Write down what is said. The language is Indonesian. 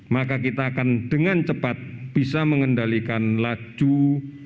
maka kita akan dengan cepat bisa mengendalikan laju